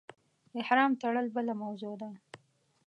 احرام تړل بله موضوع ده.